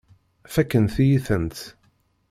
Fakkent-iyi-tent.